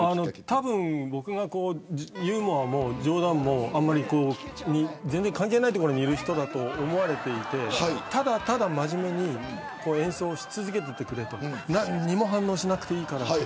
たぶん僕がユーモアも冗談も全然関係ない所にいる人だと思われていてただただ真面目に演奏し続けていてくれと何も反応しなくていいからと。